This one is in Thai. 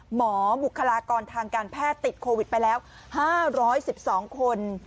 บุคลากรทางการแพทย์ติดโควิดไปแล้ว๕๑๒คน